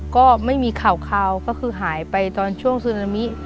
ก็ไม่มีข่าวก็คือหายไปตอนช่วงซึนามิ